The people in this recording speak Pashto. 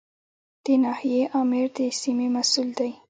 د ناحیې آمر د سیمې مسوول دی